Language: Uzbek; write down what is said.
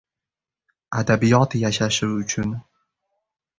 Adabiyot yashashi uchun.